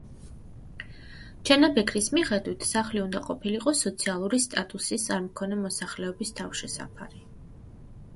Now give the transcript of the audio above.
ჩანაფიქრის მიხედვით სახლი უნდა ყოფილიყო სოციალური სტატუსის არმქონე მოსახლეობის თავშესაფარი.